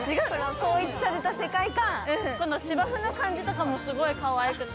統一された世界観、この芝生の感じとかもかわいくて。